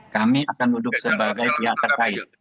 kami akan duduk sebagai pihak terkait